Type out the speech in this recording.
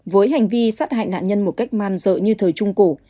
với hành vi sát hại nạn nhân một cách man dợ như thời trung cổ